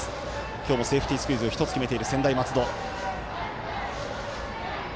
今日もセーフティースクイズを１つ決めている、専大松戸。